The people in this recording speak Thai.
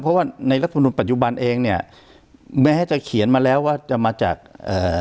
เพราะว่าในรัฐมนุนปัจจุบันเองเนี่ยแม้จะเขียนมาแล้วว่าจะมาจากเอ่อ